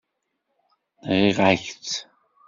Nɣiɣ-ak-tt.